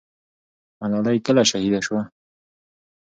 ملالۍ کله شهیده سوه؟